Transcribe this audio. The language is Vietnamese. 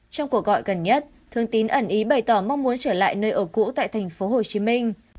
trong cuộc gọi gần nhất thương tín ẩn ý bày tỏ mong muốn trở lại nơi ở cũ tại thành phố hồ chí minh